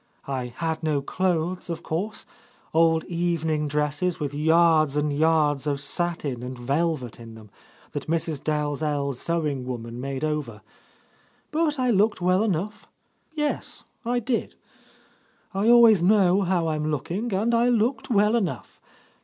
I had no clothes, of course; old evening dresses with yards and yards of satin and yelyet in them, that Mrs. Dalzell's sewing woman made over. But I looked well enough ! Yes, I did. I always know how I'm looking, and I looked well enough.